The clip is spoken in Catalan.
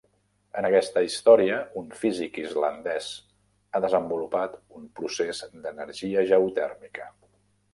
En aquesta història, un físic islandès ha desenvolupat un procés d'energia geotèrmica.